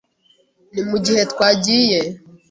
Ni mugihe twagiye.